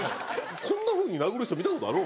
こんなふうに殴る人見た事ある？